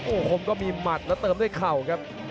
โอ้โหคมก็มีหมัดแล้วเติมด้วยเข่าครับ